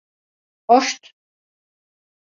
Hoşt!